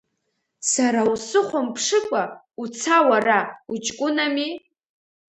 Сара усыхәамԥшыкәа, уца уара, уҷкәынами!